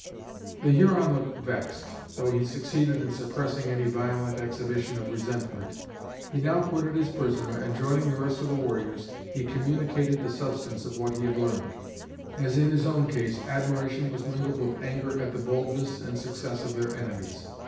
The Huron looked vexed, though he succeeded in suppressing any violent exhibition of resentment. He now quitted his prisoner and, joining the rest of the warriors, he communicated the substance of what he had learned. As in his own case, admiration was mingled with anger at the boldness and success of their enemies.